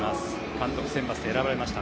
監督選抜で選ばれました。